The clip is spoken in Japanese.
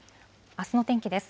あすの天気です。